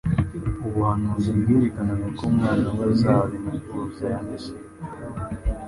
ubuhanuzi bwerekanaga ko umwana we azaba integuza ya Mesiya.